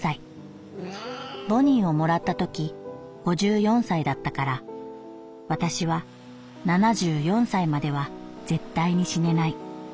ボニーをもらったとき五十四歳だったから私は七十四歳までは絶対に死ねない。